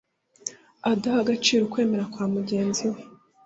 adaha agaciro ukwemera kwa mugenzi we